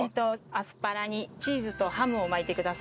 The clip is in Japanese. アスパラにチーズとハムを巻いてください。